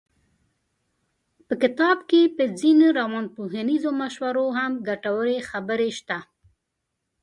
په کتاب کې په ځينو روانپوهنیزو مشورو هم ګټورې خبرې شته.